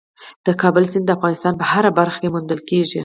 د کابل سیند د افغانستان په هره برخه کې موندل کېږي.